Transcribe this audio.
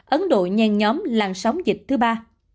ấn độ nhanh nhóm làn sóng dịch thứ ba